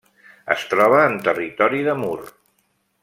Es troba en territori de Mur.